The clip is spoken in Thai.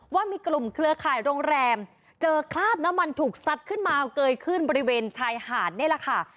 ว่ามีกลุ่มเครือข่ายโรงแรมเจอคราบน้ำมันถูกซัดขึ้นมาเกยขึ้นบริเวณชายหาดนี่แหละค่ะ